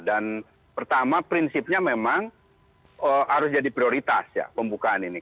dan pertama prinsipnya memang harus jadi prioritas ya pembukaan ini